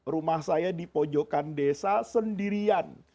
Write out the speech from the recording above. rumah saya di pojokan desa sendirian